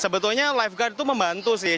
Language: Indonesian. sebetulnya lifeguard itu membantu sih